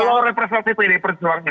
kalau representasi pdi perjuangnya